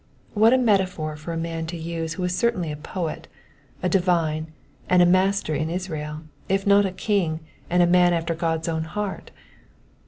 What a metaphor for a man to use who was certainly a poet, a divine, and a master in Israel, if not a king, and a man after God's own heart